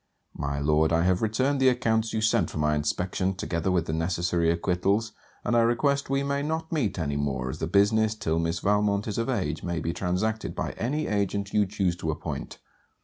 My Lord, I have returned the accounts you sent for my inspection, together with the necessary acquittals; and I request we may not meet any more, as the business till Miss Valmont is of age may be transacted by any agent you choose to appoint.